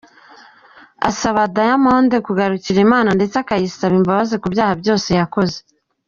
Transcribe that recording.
asaba Diamond kugarukira Imana ndetse akayisaba imbabazi ku byaha byose yakoze.